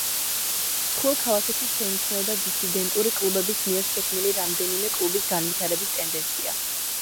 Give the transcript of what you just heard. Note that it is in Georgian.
მსხვილ ქალაქებში შეიმჩნეოდა დისიდენტური კლუბების მიერ შექმნილი რამდენიმე კლუბის განვითარების ტენდენცია.